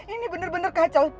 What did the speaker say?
ini benar benar kacau